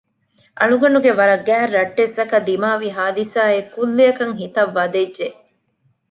އަޅުގަނޑުގެ ވަރަށް ގާތް ރައްޓެއްސަކަށް ދިމާވި ހާދިސާއެއް ކުއްލިއަކަށް ހިތަށް ވަދެއްޖެ